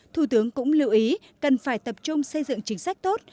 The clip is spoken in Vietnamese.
thủ tướng cũng lưu ý cần phải tập trung xây dựng chính sách tốt